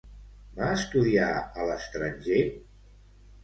Va estudiar a l'estranger?